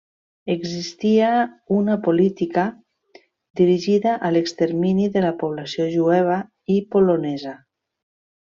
Existia una política dirigida a l'extermini de la població jueva i polonesa.